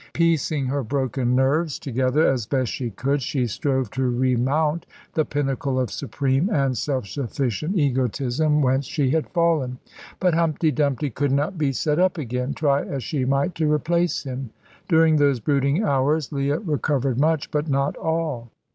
Piecing her broken nerves together as best she could, she strove to remount the pinnacle of supreme and self sufficient egotism whence she had fallen. But Humpty Dumpty could not be set up again, try as she might to replace him. During those brooding hours Leah recovered much, but not all.